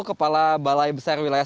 kepala balai besar wilayah